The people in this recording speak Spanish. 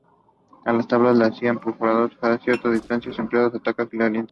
A las tablas se le hacían perforaciones cada cierta distancia empleando estacas calientes.